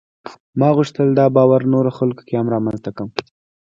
ما غوښتل دا باور نورو خلکو کې هم رامنځته کړم.